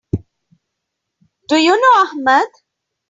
Do you know Ahmed?